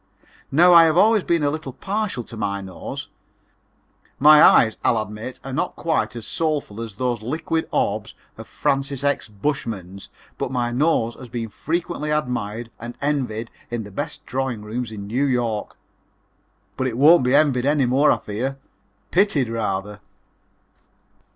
Now I have always been a little partial to my nose. My eyes, I'll admit, are not quite as soulful as those liquid orbs of Francis X. Bushman's, but my nose has been frequently admired and envied in the best drawing rooms in New York. But it won't be envied any more, I fear pitied rather.